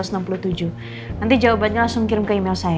nanti jawabannya langsung kirim ke email saya